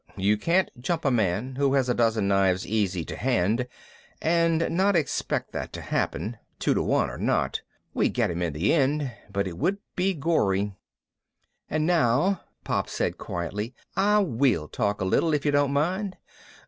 You can't jump a man who has a dozen knives easy to hand and not expect that to happen, two to one or not. We'd get him in the end but it would be gory. "And now," Pop said quietly, "I will talk a little if you don't mind.